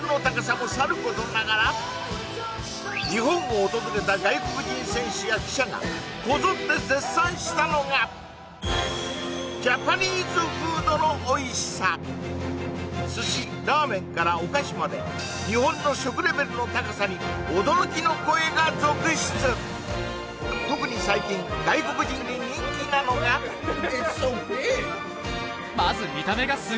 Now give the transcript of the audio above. もさることながら日本を訪れた外国人選手や記者がこぞって絶賛したのが寿司ラーメンからお菓子まで日本の食レベルの高さに驚きの声が続出そう日本の職人が作るうわ・